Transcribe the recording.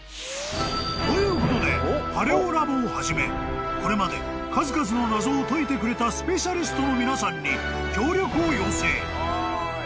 ［ということでパレオ・ラボをはじめこれまで数々の謎を解いてくれたスペシャリストの皆さんに協力を要請］